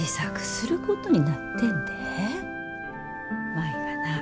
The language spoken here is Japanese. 舞がな